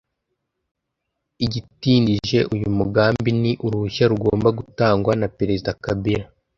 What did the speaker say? igitindije uyu mugambi ni uruhushya rugomba gutangwa na Perezida Kabila